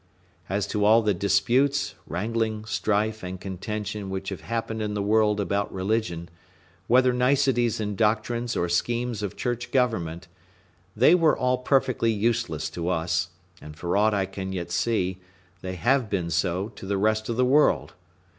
As to all the disputes, wrangling, strife, and contention which have happened in the world about religion, whether niceties in doctrines or schemes of church government, they were all perfectly useless to us, and, for aught I can yet see, they have been so to the rest of the world.